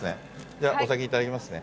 じゃあお先いただきますね。